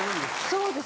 そうです。